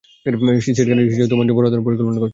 সিটকা নিশ্চয়ই তোমার জন্য বড় ধরণের পরিকল্পনা করেছে।